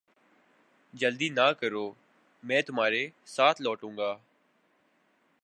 جلدی نہ کرو میں تمھارے ساتھ لوٹوں گا